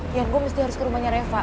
dian gua mesti harus ke rumahnya reva